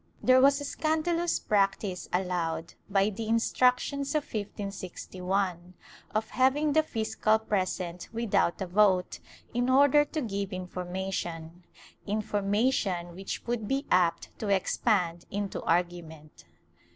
There was a scandalous practice allowed by the Instructions of 1561, of having the fiscal present without a vote, in order to give information — information which would be apt to expand into argument.